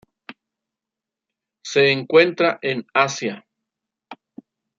Se encuentra en Asia.